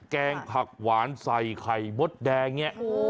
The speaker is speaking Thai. แกงผักหวานใส่ไข่มดแดงเนี่ย